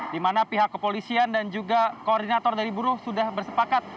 di mana pihak kepolisian dan juga koordinator dari buruh sudah bersepakat